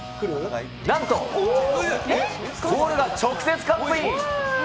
なんと、ボールが直接カップイン。